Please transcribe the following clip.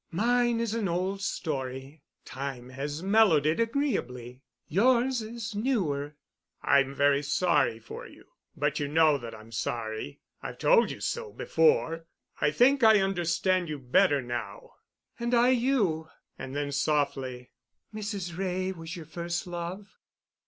Mine is an old story. Time has mellowed it agreeably. Yours is newer——" "I'm very sorry for you. But you know that I'm sorry. I've told you so before. I think I understand you better now." "And I you," and then softly, "Mrs. Wray was your first love?"